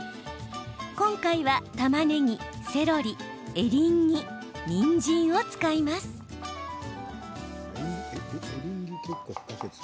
今回は、たまねぎ、セロリエリンギ、にんじんを使います。